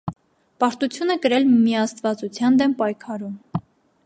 Պարտություն է կրել միաստվածության դեմ պայքարում։